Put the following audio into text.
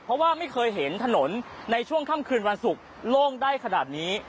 เพราะว่าไม่เคยเห็นถนนในช่วงค่ำคืนวันศุกร์โล่งได้ขนาดนี้